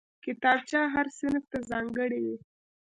کتابچه هر صنف ته ځانګړې وي